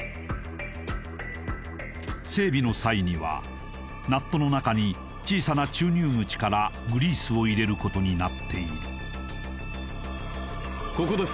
整備の際にはナットの中に小さな注入口からグリースを入れることになっているここです